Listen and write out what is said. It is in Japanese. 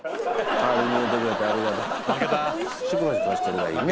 代わりに言うてくれてありがとう。